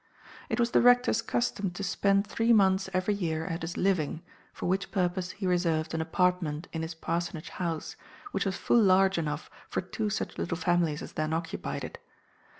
It was the rector's custom to spend three months every year at his living, for which purpose he reserved an apartment in his parsonage house, which was full large enough for two such little families as then occupied it.